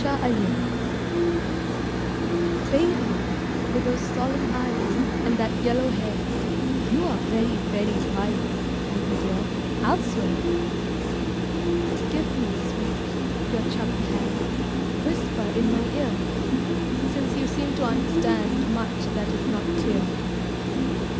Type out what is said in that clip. TO A BABY Baby, with those solemn eyes And that yellow hair You are very, very wise, Baby dear, I'll swear! Give me, sweet, your chubby hand, Whisper in my ear, Since you seem to understand Much that is not clear.